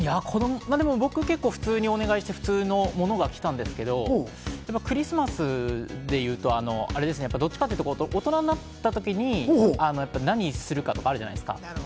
僕、結構、普通にお願いして普通のものが来たんですけど、クリスマスでいうとどっちかっていうと大人になったときに何にするかとか、あるじゃないですか。